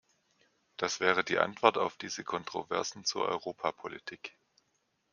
Das wäre die Antwort auf diese Kontroversen zur Europapolitik.